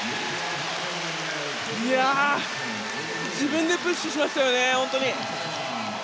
自分でプッシュしましたよね、本当に。